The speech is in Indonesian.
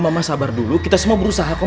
mama sabar dulu kita semua berusaha kok